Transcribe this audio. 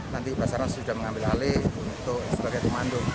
nanti pasar nas sudah mengambil alih sebagai temandu pencarian